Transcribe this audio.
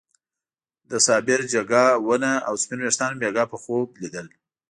د صابر جګه ونه او سپين ويښتان مې بېګاه په خوب ليدل.